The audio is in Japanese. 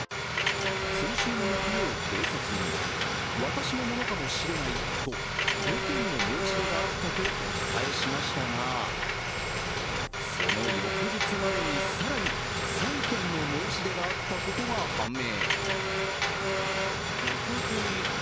先週の木曜、警察に私のものかもしれないと５件の申し出があったとお伝えしましたが、その翌日までに、更に３件の申し出があったことが判明。